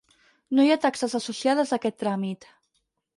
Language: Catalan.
No hi ha taxes associades a aquest tràmit.